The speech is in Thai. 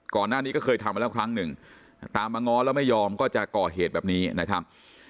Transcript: ก่อนหน้านี้ก็เคยทำมาแล้วครั้งหนึ่งตามมาง้อแล้วไม่ยอมก็จะก่อเหตุแบบนี้นะครับ